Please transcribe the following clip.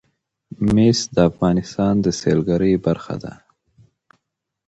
مس د افغانستان د سیلګرۍ برخه ده.